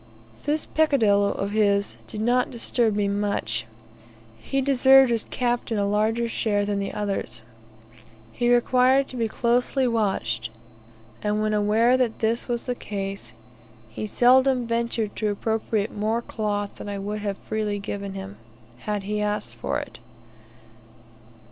This peccadillo of his did not disturb me much; he deserved as captain a larger share than the others. He required to be closely watched, and when aware that this was the case, he seldom ventured to appropriate more cloth than I would have freely given him, had he asked for it.